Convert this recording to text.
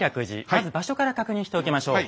まず場所から確認しておきましょう。